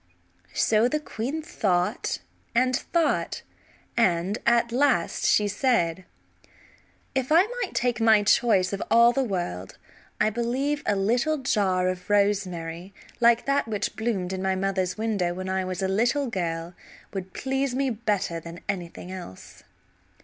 So the queen thought and thought, and at last she said: "If I might take my choice of all the world I believe a little jar of rosemary like that which bloomed in my mother's window when I was a little girl would please me better than anything else."